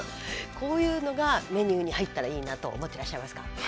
こういうのがメニューに入ったらいいなと思ってらっしゃいますか？